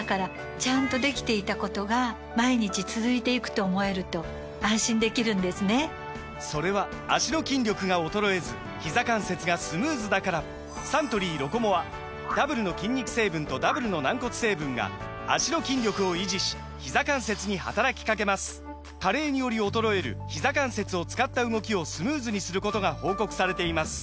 ただ、もちろん生活を守らなきゃいけない中での強制力サントリー「ロコモア」・それは脚の筋力が衰えずひざ関節がスムーズだからサントリー「ロコモア」ダブルの筋肉成分とダブルの軟骨成分が脚の筋力を維持しひざ関節に働きかけます加齢により衰えるひざ関節を使った動きをスムーズにすることが報告されています